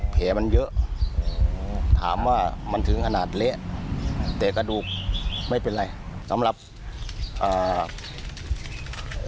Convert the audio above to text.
แผลมันเยอะถามว่ามันถึงขนาดเละแต่กระดูกไม่เป็นไรสำหรับอ่า